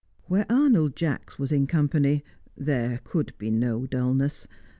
Where Arnold Jacks was in company, there could be no dullness.